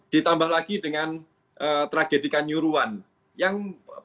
ditambah lagi dengan tragedi kanjuruhan yang pernyataan pernyataan dari kepala